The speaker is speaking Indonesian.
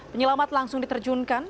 penyelamat langsung diterjunkan